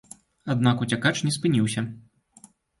Аднак уцякач не спыніўся.